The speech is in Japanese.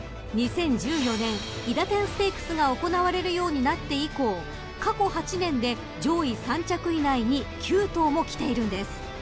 ［２０１４年韋駄天ステークスが行われるようになって以降過去８年で上位３着以内に９頭もきているんです］